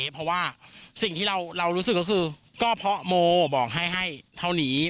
เพราะว่าสิ่งที่เรารู้สึกก็คือก็เพราะโมบอกให้ให้เท่านี้